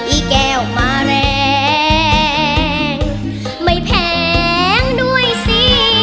อีแก้วมาแรงไม่แพงด้วยสิ